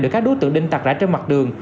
được các đối tượng đinh tặc rẽ trên mặt đường